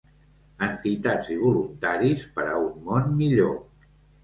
Entitats i voluntaris per a un món millor.